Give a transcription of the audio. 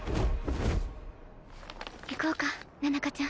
行こうか菜々香ちゃん